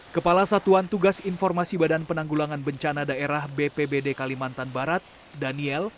kepala satuan tugas informasi badan penanggulangan bencana daerah bpbd kalimantan barat daniel